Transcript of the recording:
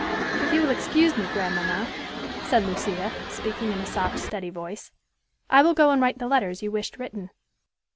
"If you will excuse me, grandmamma," said Lucia, speaking in a soft, steady voice, "I will go and write the letters you wished written."